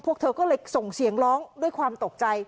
พวกเธอก็เลยส่งเสียงร้องด้วยความตกใจ